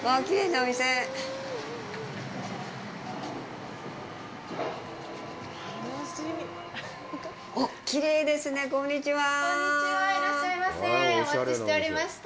お待ちしておりました。